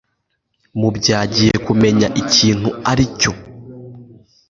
mubyagiye kumenya ikintu aricyo